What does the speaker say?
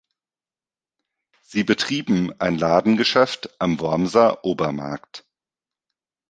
Sie betrieben ein Ladengeschäft am Wormser Obermarkt.